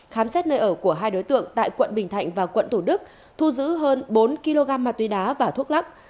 khám xét nơi ở của hai đối tượng tại quận bình thạnh và quận thủ đức thu giữ hơn bốn kg ma túy đá và thuốc lắc